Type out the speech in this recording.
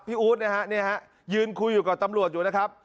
อู๊ดนะฮะเนี่ยฮะยืนคุยอยู่กับตำรวจอยู่นะครับ